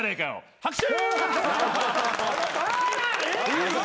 拍手！